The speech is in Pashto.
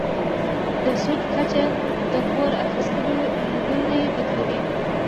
د سود کچه د پور اخیستلو لوری بدلوي.